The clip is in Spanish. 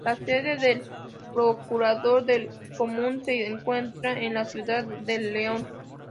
La sede del Procurador del Común se encuentra en la ciudad de León.